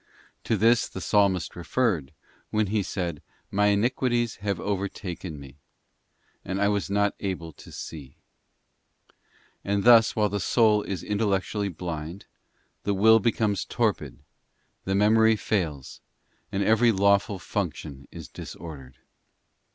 To this the Psalmist referred when he said, 'My iniquities have overtaken me, and I was not able to see.${ And thus, while the soul is intellectually blind, the will becomes torpid, the memory fails, and every lawful function is disordered.